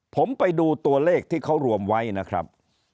ผมไปดูตัวเลขที่เขารวมไว้นะครับ